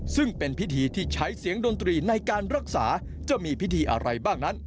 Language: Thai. ซึ่งเป็นพิธีที่ใช้เสียงดนตรีในการรักษาจะมีพิธีอะไรบ้างนั้น